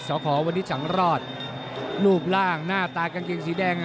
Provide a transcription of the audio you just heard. ขอวันนี้สังรอดรูปร่างหน้าตากางเกงสีแดง